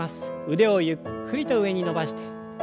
腕をゆっくりと上に伸ばして。